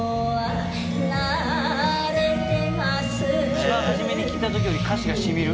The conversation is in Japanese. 一番始めに聴いた時より歌詞がしみる。